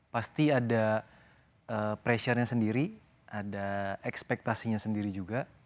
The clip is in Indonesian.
pasti ada pressure nya sendiri ada ekspektasinya sendiri juga